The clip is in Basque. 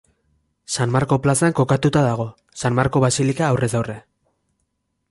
San Marko plazan kokatuta dago, San Marko basilika aurrez aurre.